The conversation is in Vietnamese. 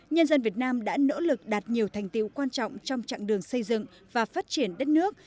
nhân dân việt nam đã nỗ lực đạt nhiều thành tiệu quan trọng trong chặng đường xây dựng và phát triển đất nước